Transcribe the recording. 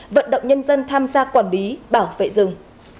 vận động nhân dân tham gia quản lý bảo vệ rừng